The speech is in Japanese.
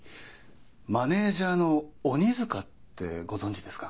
マネージャーの鬼塚ってご存じですか？